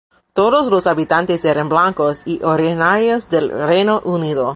Todos los habitantes eran blancos y originarios del Reino Unido.